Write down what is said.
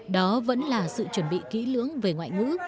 đó vẫn là sự chuẩn bị kỹ lưỡng về ngoại ngữ